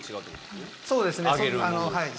そうですね。